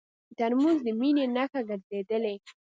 ترموز د مینې نښه ګرځېدلې.